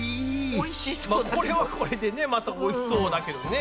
これはこれでねまたおいしそうだけどね。